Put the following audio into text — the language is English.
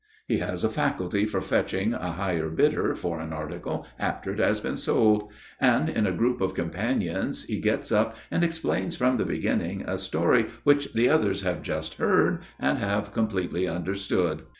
He has a faculty for fetching a higher bidder for an article after it has been sold; and in a group of companions he gets up and explains from the beginning a story which the others have just heard and have completely understood.